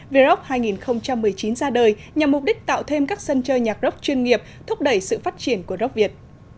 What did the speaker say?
v rock hai nghìn một mươi chín ra đời nhằm mục đích tạo thêm các sân chơi nhạc rock chuyên nghiệp thúc đẩy sự phát triển của rocket